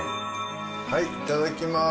はいいただきまーす。